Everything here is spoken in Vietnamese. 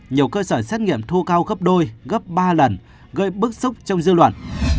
nhiều cơ sở xét nghiệm thu cao gấp đôi gấp ba lần gây bức xúc trong dư luận